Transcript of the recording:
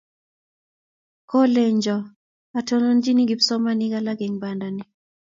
Kolenjon atononchi kipsomaninik alak eng bandani